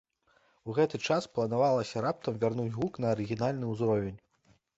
У гэты час планавалася раптам вярнуць гук на арыгінальны ўзровень.